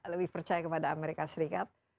lebih percaya kepada amerika serikat